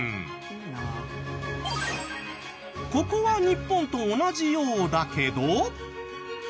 ここは日本と同じようだけど。